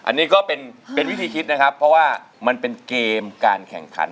อันนี้ก็เป็นวิธีคิดนะครับเพราะว่ามันเป็นเกมการแข่งขัน